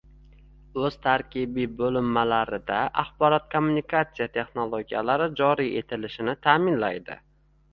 o‘z tarkibiy bo‘linmalarida axborot-kommunikatsiya texnologiyalari joriy etilishini ta’minlaydi;